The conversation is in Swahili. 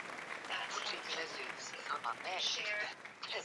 na ukosefu wake mwenyewe kwa kusimulia alivyoishi hadi miaka ya